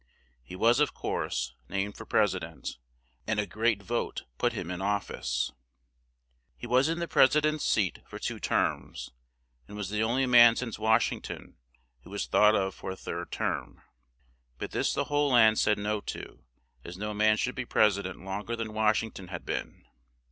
He was, of course, named for pres i dent and a great vote put him in of fice. He was in the pres ident's seat for two terms; and was the on ly man since Wash ing ton, who was thought of for a third term; but this the whole land said no to; as no man should be pres i dent longer than Wash ing ton had been.